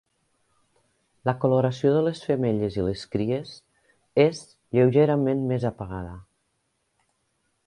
La coloració de les femelles i les cries és lleugerament més apagada.